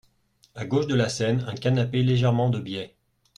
À gauche de la scène, un canapé légèrement de biais.